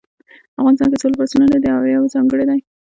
افغانستان کې څلور فصلونه دي او هر یو ځانګړی ده